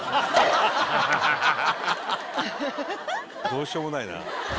どうしようもないな。